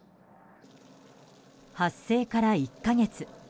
発生から１か月。